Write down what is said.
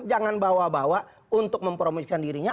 jangan bawa bawa untuk mempromosikan dirinya